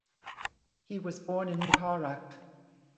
He was born in Muharraq.